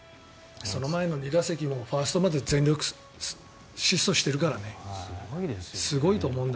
その前の２打席もファーストまで全力疾走しているからねすごいと思います。